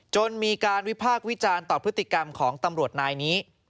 จนมีการวิพากษ์วิจารณ์ต่อพฤติกรรมของตำรวจนายนี้